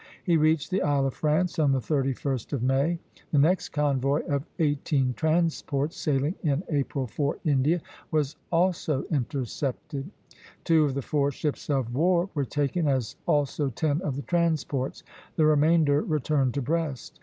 He reached the Isle of France on the 31st of May. The next convoy of eighteen transports, sailing in April for India, was also intercepted. Two of the four ships of war were taken, as also ten of the transports; the remainder returned to Brest.